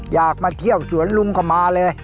อยากมาเที่ยวสวนลุงก็มาเลย